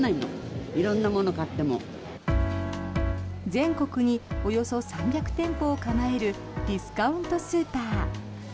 全国におよそ３００店舗を構えるディスカウントスーパー。